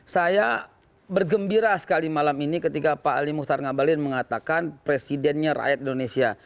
saya bergembira sekali malam ini ketika pak ali muhtar ngabalin mengatakan presidennya rakyat indonesia